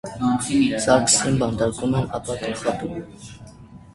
Սարգսին բանտարկում են, ապա՝ գլխատում։